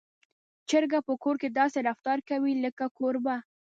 چرګه په کور کې داسې رفتار کوي لکه کوربه.